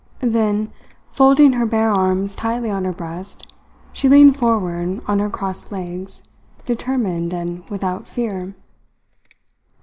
Then, folding her bare arms tightly on her breast, she leaned forward on her crossed legs, determined and without fear.